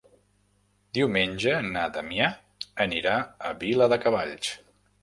Diumenge na Damià anirà a Viladecavalls.